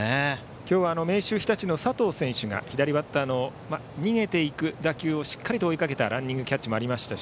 今日は明秀日立の佐藤選手が左バッターの逃げていく打球をしっかりと追いかけたランニングキャッチもありました。